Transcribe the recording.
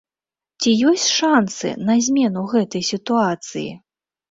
Ці ёсць шанцы на змену гэтай сітуацыі?